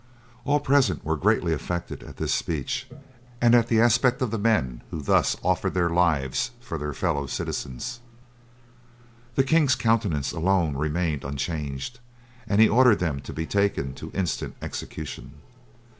All present were greatly affected at this speech, and at the aspect of men who thus offered their lives for their fellow citizens. The king's countenance alone remained unchanged, and he ordered them to be taken to instant execution.